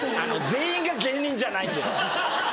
全員が芸人じゃないんです。